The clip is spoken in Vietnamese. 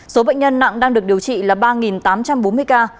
số bệnh nhân nặng đang được điều trị là ba tám trăm bốn mươi ca